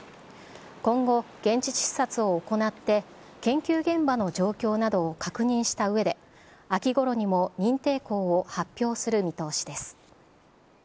今後、現地視察を行って、研究現場の状況などを確認したうえで、秋ごろにも認定校を発表する見通しです。